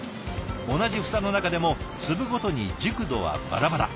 同じ房の中でも粒ごとに熟度はバラバラ。